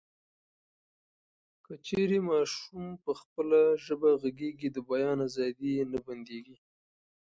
که چیري ماشوم په خپله ژبه غږېږي، د بیان ازادي یې نه بندېږي.